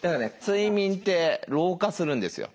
睡眠って老化するんですよ。